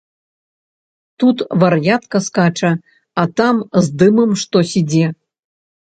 Тут вар'ятка скача, а там з дымам штось ідзе.